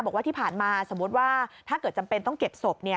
บอกว่าที่ผ่านมาสมมุติว่าถ้าเกิดจำเป็นต้องเก็บศพ